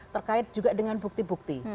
terkait juga dengan bukti bukti